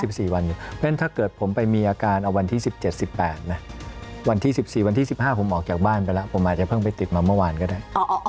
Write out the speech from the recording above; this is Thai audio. เพราะฉะนั้นถ้าเกิดผมไปมีอาการเอาวันที่๑๗๑๘นะวันที่๑๔วันที่๑๕ผมออกจากบ้านไปแล้วผมอาจจะเพิ่งไปติดมาเมื่อวานก็ได้